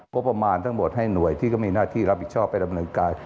ประมาณทั้งหมดให้หน่วยที่ก็มีหน้าที่รับผิดชอบไปดำเนินการ